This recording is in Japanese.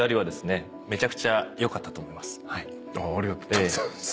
ありがとうございます。